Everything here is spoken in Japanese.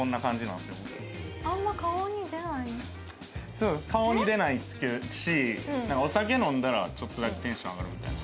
そう顔に出ないしお酒飲んだらちょっとだけテンション上がるみたいな。